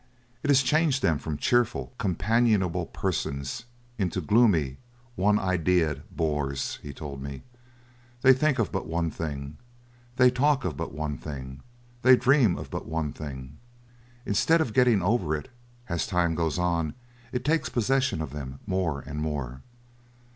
"It has changed them from cheerful, companionable persons into gloomy one idead bores," he told me. "They think of but one thing, they talk of but one thing, they dream of but one thing. Instead of getting over it, as time goes on, it takes possession of them more and more.